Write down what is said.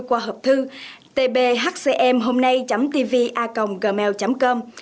qua hộp thư tbhcmhomnay tvacomgmail com